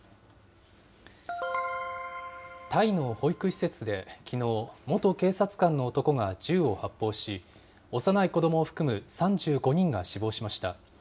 タイの保育施設できのう、元警察官の男が銃を発砲し、幼い子どもを含む３５人が死亡しました。